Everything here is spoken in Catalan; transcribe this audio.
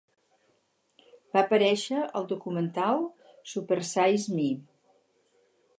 Va aparèixer al documental "Super Size Me".